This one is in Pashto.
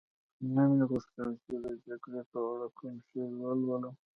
نه مې غوښتل چي د جګړې په اړه کوم شی ولولم.